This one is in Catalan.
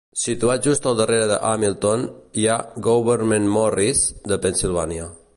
Situat just al darrere de Hamilton, hi ha Gouverneur Morris, de Pennsilvània.